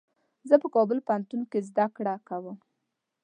زه په کابل پوهنتون کي زده کړه کوم.